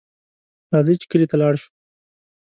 راځئ چې کلي ته لاړ شو